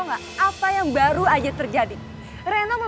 enggak ada yang kalau enggak di jungi